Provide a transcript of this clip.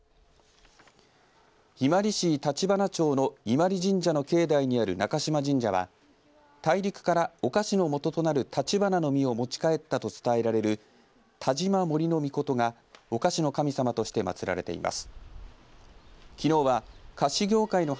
伊万里市立花町の伊萬里神社の境内にある中嶋神社は大陸からお菓子のもととなるたちばなの実を持ち帰ったと伝えられる田道間守命がお菓子の神様として祭られています。